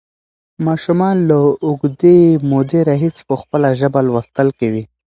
ماشومان له اوږدې مودې راهیسې په خپله ژبه لوستل کوي.